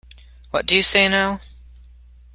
What do you say now?